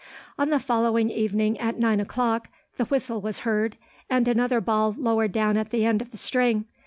On the following evening at nine o'clock the whistle was heard, and another ball lowered down at the end of the string.